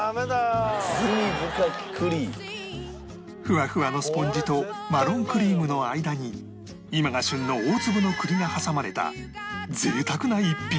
フワフワのスポンジとマロンクリームの間に今が旬の大粒の栗が挟まれた贅沢な逸品